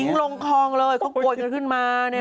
ทิ้งลงครองเลยเขากดเขลดขึ้นมาเนี่ย